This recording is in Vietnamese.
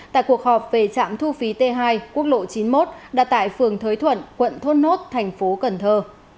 tại cuộc họp về trạm thu phí t hai quốc lộ chín mươi một đặt tại phường thới thuận quận thốt nốt thành phố cần thơ